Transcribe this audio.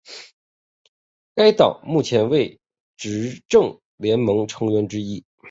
该党目前为执政联盟成员之一。